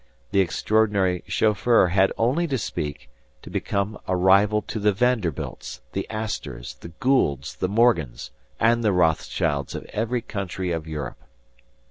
The extraordinary "chauffeur" had only to speak, to become a rival to the Vanderbilts, the Astors, the Goulds, the Morgans, and the Rothschilds of every country of Europe.